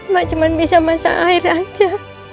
mak cuma bisa masak air aja